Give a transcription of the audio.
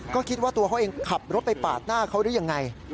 ก็คิดว่าตัวเขาเองขับรถไปปาดหน้าเขาหรือยังไง